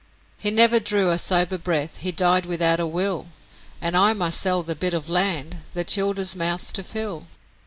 'He never drew a sober breath, he died without a will, And I must sell the bit of land the childer's mouths to fill.